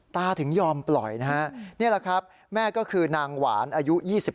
ตาถึงยอมปล่อย